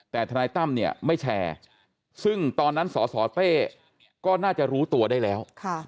แต่ทนายตั้มเนี่ยไม่แชร์ซึ่งตอนนั้นสสเต้ก็น่าจะรู้ตัวได้แล้ว